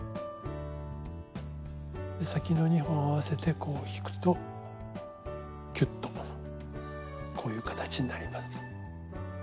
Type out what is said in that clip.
先の２本を合わせてこう引くとキュッとこういう形になります。